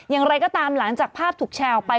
อย่างไรก็ตามหลังจากภาพถูกแชร์ออกไป